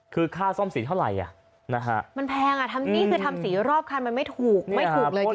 คือค่าซ่อมสีเท่าไหร่มันแพงอ่ะทำนี่คือทำสีรอบคันมันไม่ถูกไม่ถูกเลยจริง